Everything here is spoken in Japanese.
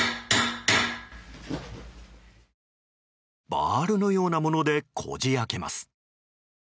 バールのようなものでこじ開けます。